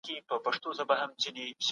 د سياست په اړه معلومات راټول کړئ.